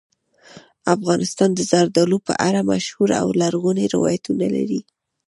افغانستان د زردالو په اړه مشهور او لرغوني روایتونه لري.